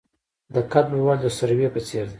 د قد لوړوالی د سروې په څیر دی.